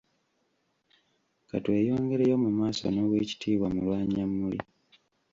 Ka tweyongereyo mu maaso n’Oweekitiibwa Mulwanyammuli.